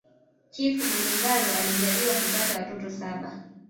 Chifu Mwene Ngalu alijaliwakupata watoto saba